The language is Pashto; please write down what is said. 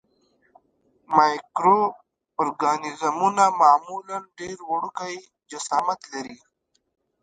مایکرو ارګانیزمونه معمولاً ډېر وړوکی جسامت لري.